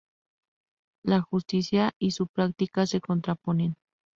La justicia y su práctica se contraponen.